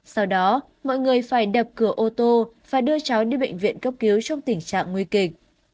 sau đó mọi người phải đập cửa ô tô và đưa cháu đi bệnh viện cấp cứu trong tình trạng nguy kịch